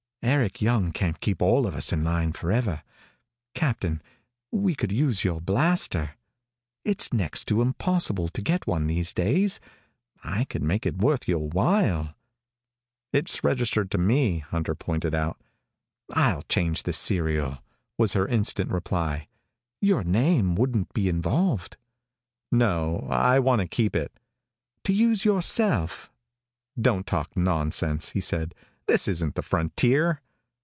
"Eric Young can't keep all of us in line forever. Captain, we could use your blaster. It's next to impossible to get one these days. I could make it worth your while " "It's registered to me," Hunter pointed out. "I'll change the serial," was her instant reply. "Your name wouldn't be involved." "No, I want to keep it." "To use yourself?" "Don't talk nonsense," he said. "This isn't the frontier."